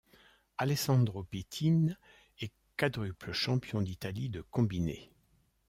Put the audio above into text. Alessandro Pittin est quadruple champion d'Italie de combiné.